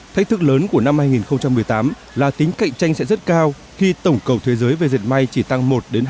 thách thức lớn của năm hai nghìn một mươi tám là tính cạnh tranh sẽ rất cao khi tổng cầu thế giới về diệt may chỉ tăng một hai